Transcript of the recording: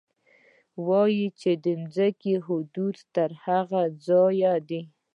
ويل يې چې د ځمکې حدود يې تر هماغه ځايه دي.